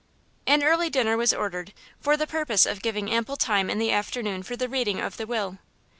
An early dinner was ordered, for the purpose of giving ample time in the afternoon for the reading of the will.